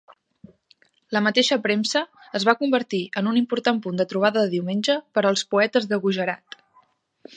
La mateixa premsa es va convertir en un important punt de trobada de diumenge per als poetes de Gujarat.